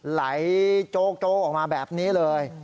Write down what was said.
ไหลโจ๊กโจ๊กออกมาแบบนี้เลย